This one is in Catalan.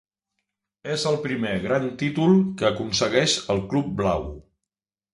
És el primer gran títol que aconsegueix el club blau.